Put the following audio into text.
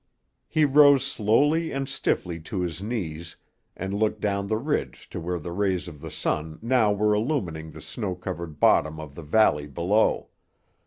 He rose slowly and stiffly to his knees and looked down the ridge to where the rays of the sun now were illumining the snow covered bottom of the valley below.